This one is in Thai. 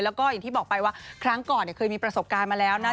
แล้วก็อย่างที่บอกไปว่าครั้งก่อนเคยมีประสบการณ์มาแล้วนะ